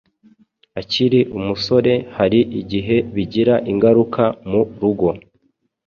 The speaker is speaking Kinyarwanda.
akiri umusore hari igihe bigira ingaruka mu rugo.